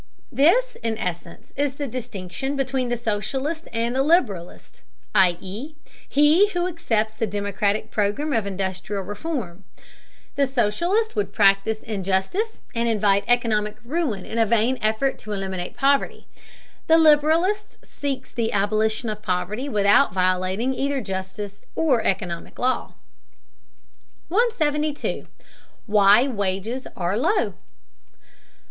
This, in essence, is the distinction between the socialist and the liberalist, i.e. he who accepts the democratic program of industrial reform: the socialist would practice injustice and invite economic ruin in a vain effort to eliminate poverty; the liberalist seeks the abolition of poverty without violating either justice or economic law. 172. WHY WAGES ARE LOW.